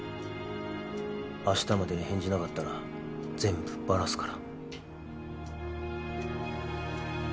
明日までに返事なかったら全部バラすから。